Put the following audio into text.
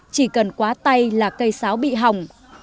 chỉ cần quá tay là cây sáo bị hỏng